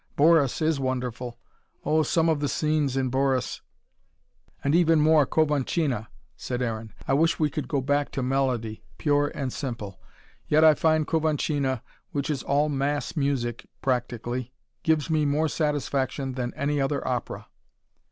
Boris is wonderful. Oh, some of the scenes in Boris!" "And even more Kovantchina," said Aaron. "I wish we could go back to melody pure and simple. Yet I find Kovantchina, which is all mass music practically, gives me more satisfaction than any other opera."